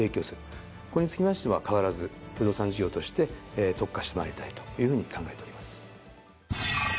これにつきましては変わらず不動産事業として特化してまいりたいというふうに考えております。